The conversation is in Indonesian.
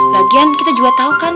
lagian kita juga tahu kan